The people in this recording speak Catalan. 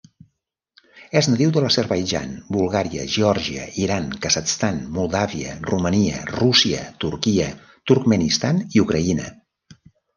És nadiu de l'Azerbaidjan, Bulgària, Geòrgia, Iran, Kazakhstan, Moldàvia, Romania, Rússia, Turquia, Turkmenistan i Ucraïna.